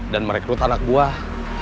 dan merekrut anak buah